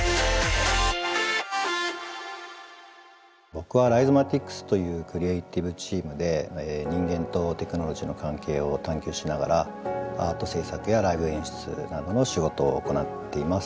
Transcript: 僕はライゾマティクスというクリエーティブチームで人間とテクノロジーの関係を探究しながらアート制作やライブ演出などの仕事を行っています。